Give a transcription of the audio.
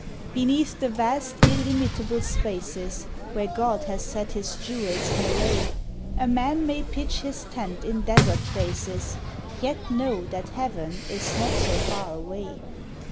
Beneath the vast illimitable spaces Where God has set His jewels in array, A man may pitch his tent in desert places Yet know that heaven is not so far away.